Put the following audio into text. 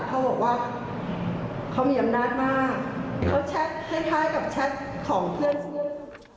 เขาบอกว่าเขามีอำนาจมากเขาแท็กคล้ายกับแท็กของเพื่อนสุดยอด